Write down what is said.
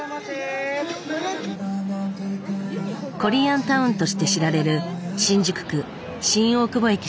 コリアンタウンとして知られる新宿区新大久保駅周辺。